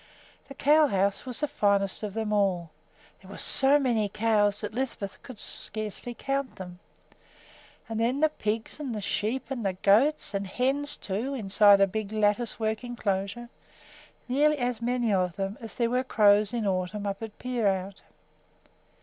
The cow house was the finest of them all. There were so many cows that Lisbeth could scarcely count them. And then the pigs and sheep and goats! and hens, too, inside a big latticework inclosure, nearly as many of them as there were crows in autumn up at Peerout!